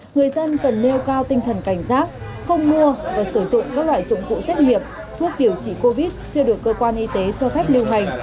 người dân cần nêu cao tinh thần cảnh giác không mua và sử dụng các loại dụng cụ xét nghiệm thuốc điều trị covid chưa được cơ quan y tế cho phép lưu hành